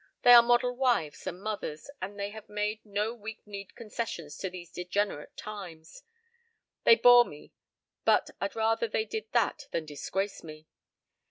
They are model wives and mothers, and they have made no weak kneed concessions to these degenerate times. They bore me but I'd rather they did that than disgrace me.